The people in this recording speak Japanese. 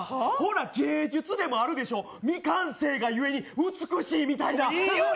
芸術でもあるでしょう、未完成がゆえに美しいみたいな。